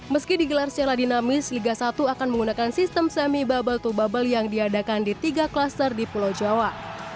meski digelar secara dinamis liga satu akan menggunakan sistem semi bubble to bubble yang diadakan di tiga klaster di pulau jawa